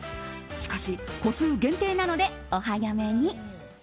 しかし、個数限定なのでお早めに。